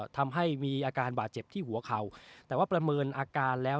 ทำให้มีอาการบาดเจ็บที่หัวเข่าแต่ว่าประเมินอาการแล้ว